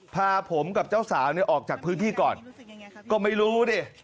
พาผมกับเจ้าสาวเนี่ยออกจากพื้นที่ก่อนก็ไม่รู้ดิ